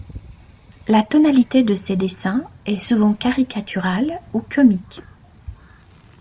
La tonalité de ses dessins est souvent caricaturale ou comique.